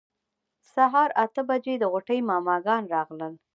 سهار اته بجې د غوټۍ ماما ګان راغلل.